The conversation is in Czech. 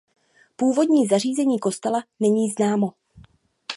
Původní zařízení kostela není známo.